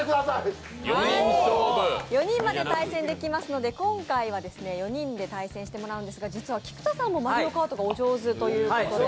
４人まで対戦できますので今回は４人で対戦していただくんですが実は菊田さんも「マリオカート」お上手ということで。